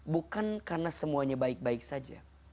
bukan karena semuanya baik baik saja